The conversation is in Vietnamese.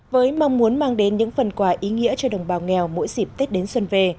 với mong muốn mang đến những phần quà ý nghĩa cho đồng bào nghèo mỗi dịp tết đến xuân về